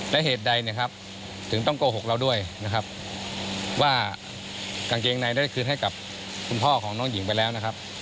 และเหตุใดนะครับถึงต้องโกหกเราด้วยนะครับว่ากางเกงในได้คืนให้กับคุณพ่อของน้องหญิงไปแล้วนะครับ